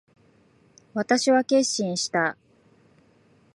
私は決心した。